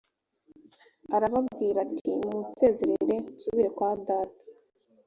arababwira ati nimunsezerere nsubire kwa data